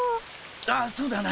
ああそうだな